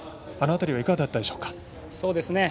あの辺りはいかがだったでしょうか。